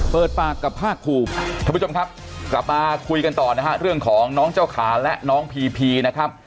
เปิดปากกับภาคภูมิท่านผู้ชมครับกลับมาคุยกันต่อนะฮะเรื่องของน้องเจ้าขาและน้องพีพีนะครับ